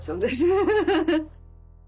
フフフフ！